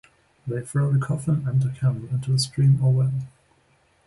They throw the coffin and the candle into a stream or well.